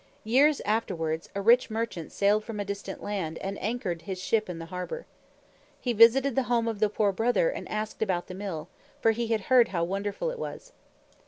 Years afterwards, a rich merchant sailed from a distant land and anchored his ship in the harbor. He visited the home of the Poor Brother and asked about the Mill, for he had heard how wonderful it was.